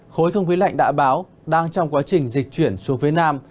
khối không khí lạnh đã báo đang trong quá trình dịch chuyển xuống phía nam